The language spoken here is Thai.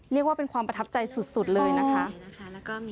เรียกว่าเป็นความประทับใจสุดเลยนะคะ